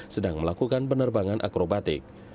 sedang melakukan penerbangan akrobatik